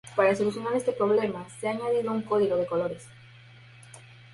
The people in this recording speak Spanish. Para solucionar este problema se ha añadido un código de colores.